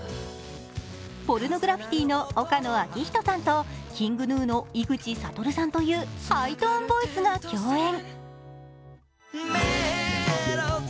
ポルノグラフィティの岡野昭仁さんとＫｉｎｇＧｎｕの井口理さんというハイトーンボイスが共演。